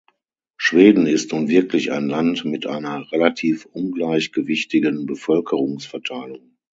Schweden ist nun wirklich ein Land mit einer relativ ungleichgewichtigen Bevölkerungsverteilung.